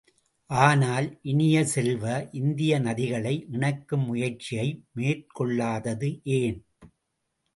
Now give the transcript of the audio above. ஆனால் இனிய செல்வ, இந்திய நதிகளை இணைக்கும் முயற்சியை மேற்கொள்ளாதது ஏன்?